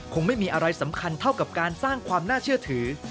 คงไม่มีอะไรสำคัญเท่ากับการสร้างความน่าเชื่อถือ